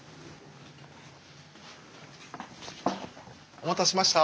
お待たせしました。